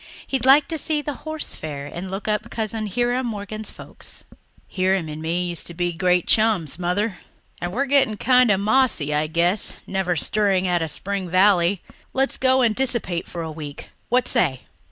He'd like to see the Horse Fair and look up Cousin Hiram Morgan's folks. "Hiram and me used to be great chums, Mother. And we're getting kind of mossy, I guess, never stirring out of Spring Valley. Let's go and dissipate for a week what say?"